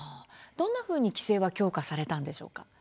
どんなふうに強化されたんでしょうか。